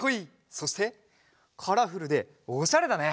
そしてカラフルでおしゃれだね！